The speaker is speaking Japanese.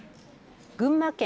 群馬県